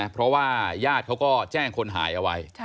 เพราะว่าญาติก็แจ้งคนหายไว้